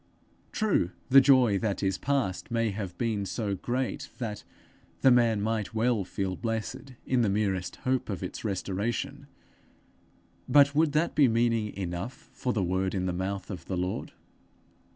True, the joy that is past may have been so great that the man might well feel blessed in the merest hope of its restoration; but would that be meaning enough for the word in the mouth of the Lord?